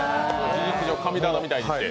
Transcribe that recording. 事実上、神棚みたいにして。